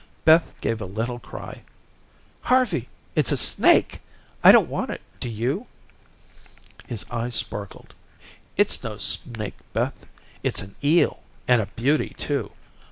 Beth gave a little cry. "Harvey, it's a snake. I don't want it, do you?" His eyes sparkled. "It's no snake, Beth. It's an eel and a beauty too.